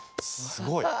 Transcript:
すごいよ。